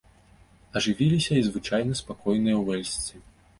Ажывіліся і звычайна спакойныя уэльсцы.